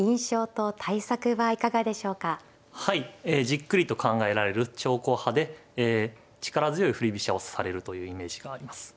じっくりと考えられる長考派でえ力強い振り飛車を指されるというイメージがあります。